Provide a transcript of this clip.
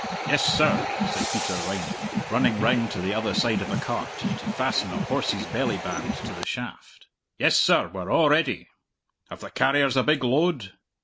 "Yes, sir," said Peter Riney, running round to the other side of a cart, to fasten a horse's bellyband to the shaft. "Yes, sir, we're a' ready." "Have the carriers a big load?"